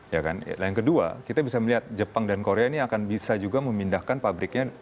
ya kan yang kedua kita bisa melihat jepang dan korea ini akan bisa juga memindahkan pabriknya